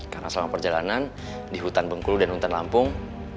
karena selama perjalanan di hutan bengkulu dan hutan lampung